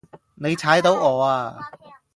你踩到我呀